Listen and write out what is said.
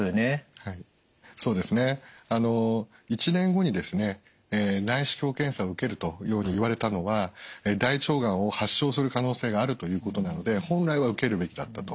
はいそうですね１年後に内視鏡検査を受けるように言われたのは大腸がんを発症する可能性があるということなので本来は受けるべきだったと。